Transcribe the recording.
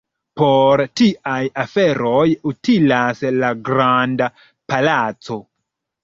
Por tiaj aferoj utilas la Granda Palaco.